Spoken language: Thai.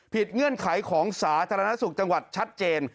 เงื่อนไขของสาธารณสุขจังหวัดชัดเจน